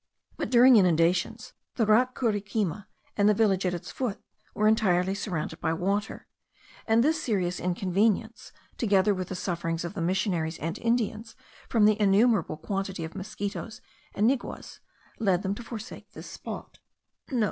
But during inundations, the rock Curiquima and the village at its foot were entirely surrounded by water; and this serious inconvenience, together with the sufferings of the missionaries and Indians from the innumerable quantity of mosquitos and niguas,* led them to forsake this humid spot.